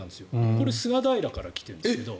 これ、菅平から来てるんですけど。